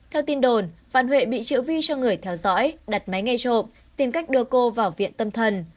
theo tin đồn văn huệ bị triệu vi cho người theo dõi đặt máy ngay trộm tìm cách đưa cô vào viện tâm thần